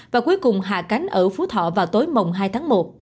và cuối cùng hạ cánh ở phú thọ vào tối mồng hai tháng một